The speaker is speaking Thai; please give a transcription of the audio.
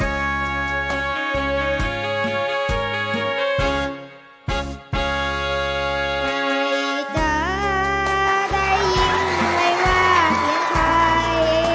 ให้จะได้ยินไว้ว่าเทียงใคร